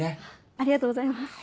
ありがとうございます。